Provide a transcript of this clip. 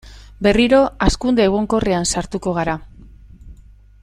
Berriro hazkunde egonkorrean sartuko gara.